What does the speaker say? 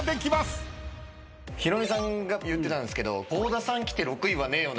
ヒロミさんが言ってたんですけど。